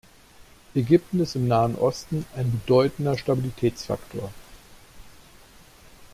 Ägypten ist im Nahen Osten ein bedeutender Stabilitätsfaktor.